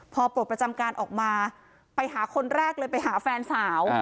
พอปลดประจำการออกมาไปหาคนแรกเลยไปหาแฟนสาว